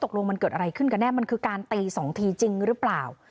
ตกลงมันเกิดอะไรขึ้นกันแน่มันคือการตี๒ทีจริงหรือเปล่า